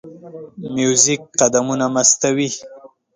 موزیک قدمونه مستوي.